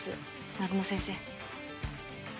南雲先生